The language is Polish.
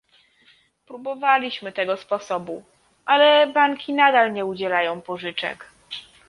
Próbowaliśmy tego sposobu, ale banki nadal nie udzielają pożyczek